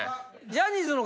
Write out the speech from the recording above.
・ジャニーズなの？